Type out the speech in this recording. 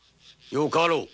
よかろう。